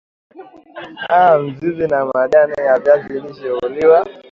mizizi na majani ya viazi lishe huliwa